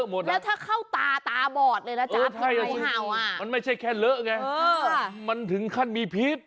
ไม่ใช่แค่เลอะไงมันถึงขั้นมีพิษ